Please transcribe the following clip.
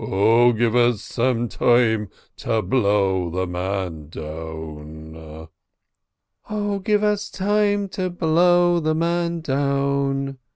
Oh, give us time to blow the man down." "Oh, give us time to blow the man down!"